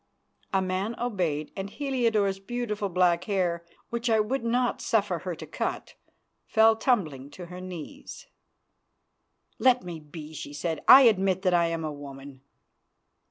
A man obeyed, and Heliodore's beautiful black hair, which I would not suffer her to cut, fell tumbling to her knees. "Let me be," she said. "I admit that I am a woman."